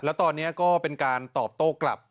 แล้วตอนนี้ก็เป็นการตอบโต้กลับ